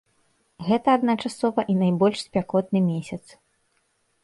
Гэта адначасова і найбольш спякотны месяц.